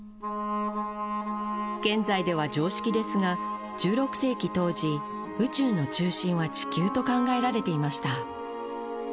現在では常識ですが１６世紀当時宇宙の中心は地球と考えられていました